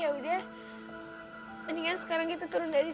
ya udah mendingan sekarang kita turun dari